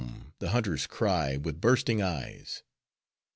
the hunters cry, with bursting eyes.